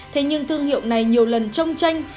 thế nhưng thương hiệu này nhiều lần trong tranh